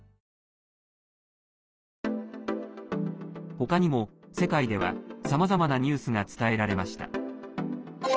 他にも世界ではさまざまなニュースが伝えられました。